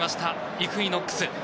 イクイノックス。